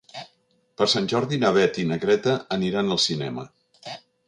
Per Sant Jordi na Beth i na Greta aniran al cinema.